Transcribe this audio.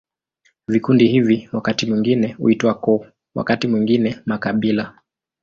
Vikundi hivi wakati mwingine huitwa koo, wakati mwingine makabila.